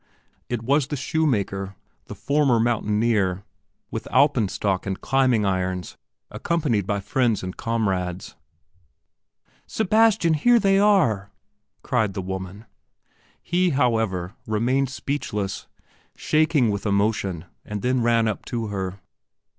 It was the shoemaker, the former mountaineer, with Alpen stock and climbing irons, accompanied by friends and comrades. "Sebastian, here they are!" cried the woman. He, however, remained speechless, shaking with emotion, and then ran up to her.